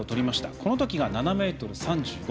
このときが７ｍ３５。